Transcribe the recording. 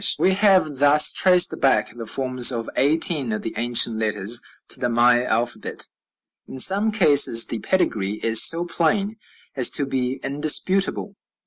We have thus traced back the forms of eighteen of the ancient letters to the Maya alphabet. In some cases the pedigree, is so plain as to be indisputable.